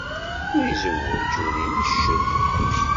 Ur izewweǧ, ur inecced.